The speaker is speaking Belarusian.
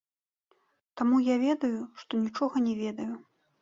Таму я ведаю, што нічога не ведаю.